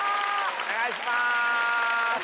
お願いします！